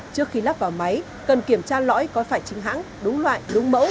trước khi lắp vào máy cần kiểm tra lõi có phải chính hãng đúng loại đúng mẫu